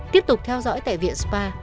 tiếp tục theo dõi tại viện spa